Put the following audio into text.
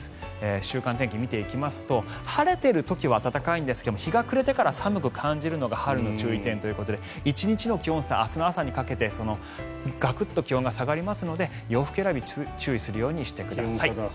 週間の天気見ていきますと晴れている時は暖かいんですが日が暮れてくると寒くなるのが春の注意点ということで１日の気温差明日の朝にかけてガクッと気温が下がりますので洋服選び注意するようにしてください。